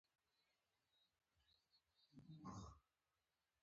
د وردګو ولایت مڼې راوړه.